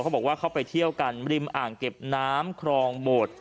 เขาบอกว่าเขาไปเที่ยวกันริมอ่างเก็บน้ำครองโบด